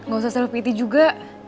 gak usah self eating juga